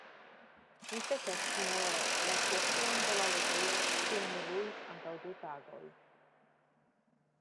Mi petas, sinjoro, la ŝlosilon de la loĝejo, kiun mi luis antaŭ du tagoj.